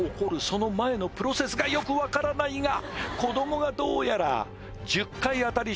その前のプロセスがよく分からないが子供がどうやら１０階あたり